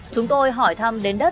chúng tôi hỏi thăm đến đất